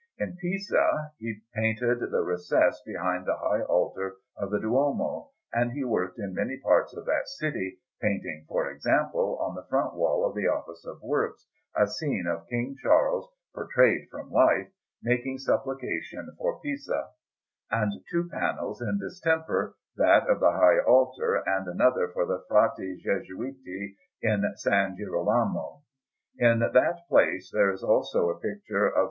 In Pisa he painted the recess behind the high altar of the Duomo, and he worked in many parts of that city, painting, for example, on the front wall of the Office of Works, a scene of King Charles, portrayed from life, making supplication for Pisa; and two panels in distemper, that of the high altar and another, for the Frati Gesuati in S. Girolamo. In that place there is also a picture of S.